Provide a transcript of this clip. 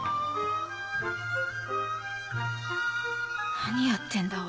何やってんだ俺。